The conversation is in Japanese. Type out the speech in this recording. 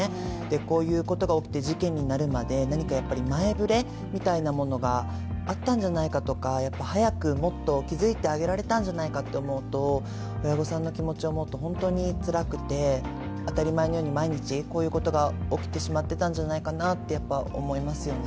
こういうことが起きて事件になるまで何か前触れみたいなものがあったんじゃないかとか、早くもっと気付いてあげられたんじゃないかと思うと、親御さんの気持ちを思うと本当につらくて当たり前のように、こういことが起きてしまっていたんじゃないかなと思いますよね。